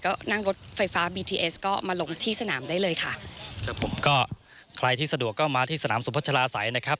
ก็นั่งรถไฟฟ้าบีทีเอสก็มาลงที่สนามได้เลยค่ะครับผมก็ใครที่สะดวกก็มาที่สนามสุพัชลาศัยนะครับ